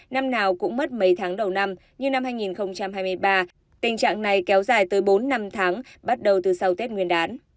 năm nào cũng mất mấy tháng đầu năm nhưng năm hai nghìn hai mươi ba tình trạng này kéo dài tới bốn năm tháng bắt đầu từ sau tết nguyên đán